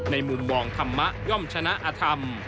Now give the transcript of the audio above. มุมมองธรรมะย่อมชนะอธรรม